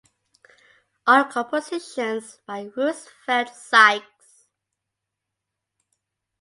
All compositions by Roosevelt Sykes